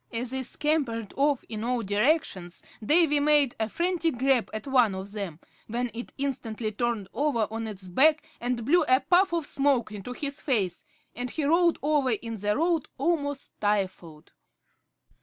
As they scampered off in all directions Davy made a frantic grab at one of them, when it instantly turned over on its back and blew a puff of smoke into his face, and he rolled over in the road, almost stifled.